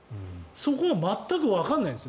そこが全くわからないです